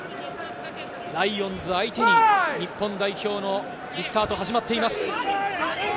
ライオンズ相手に日本代表のリスタートが始まっています。